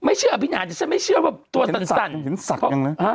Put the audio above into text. ไม่เชื่ออภิกษ์นิหารแต่ฉันไม่เชื่อว่าตัวตันสั่นเห็นศักดิ์อย่างนั้นนะ